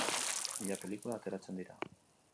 Mila pelikula ateratzen dira.